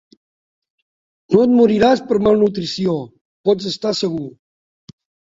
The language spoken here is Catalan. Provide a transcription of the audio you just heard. No et moriràs per malnutrició, pots estar segur.